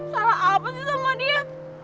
salah apa sih sama dia